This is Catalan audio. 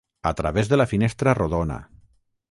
A través de la finestra rodona!